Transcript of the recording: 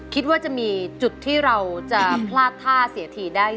คิดว่าจะมีจุดที่เราจะพลาดท่าเสียทีได้